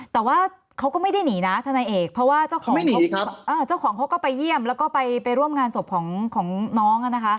แต่ว่าเขาก็ไม่ได้หนีนะทนายเอกเพราะว่าเจ้าของเจ้าของเขาก็ไปเยี่ยมแล้วก็ไปร่วมงานศพของน้อง